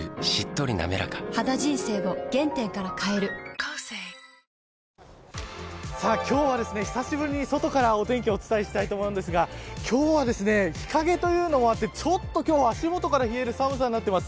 ＧｉｆｔｆｒｏｍｔｈｅＥａｒｔｈさあ、今日は久しぶりに外からお天気をお伝えしたいと思うんですが今日は日陰というのもあってちょっと今日は足元から冷える寒さになっています。